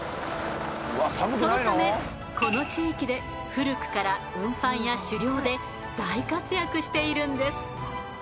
そのためこの地域で古くから運搬や狩猟で大活躍しているんです。